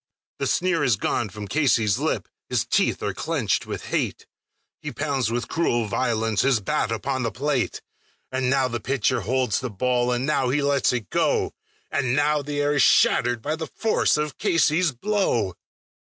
The sneer is gone from Casey's lip, his teeth are clenched with hate; He pounds with cruel violence his bat upon the plate; And now the pitcher holds the ball, and now he lets it go, And now the air is shattered by the force of Casey's blow.